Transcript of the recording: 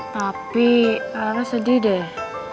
tapi rara sedih deh